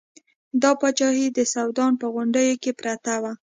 دا پاچاهي د سوډان په غونډیو کې پرته وه.